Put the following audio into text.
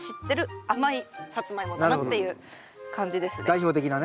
代表的なね。